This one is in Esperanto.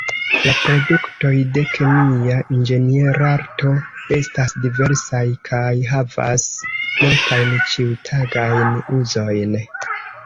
La produktoj de kemia inĝenierarto estas diversaj kaj havas multajn ĉiutagajn uzojn.